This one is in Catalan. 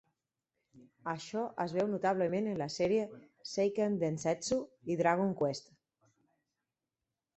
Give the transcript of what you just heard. Això es veu notablement en la sèrie "Seiken Densetsu" i "Dragon Quest".